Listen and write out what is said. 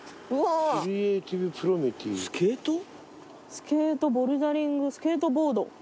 スケートボルダリングスケートボード。